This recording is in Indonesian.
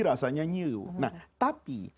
rasanya nyilu nah tapi